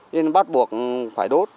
nên bắt buộc phải đốt